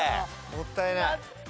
もったいない。